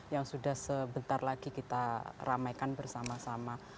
yang sudah sebentar lagi kita ramaikan bersama sama